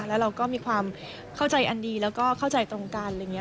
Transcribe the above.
แล้วเราก็มีความเข้าใจอันดีแล้วก็เข้าใจตรงกัน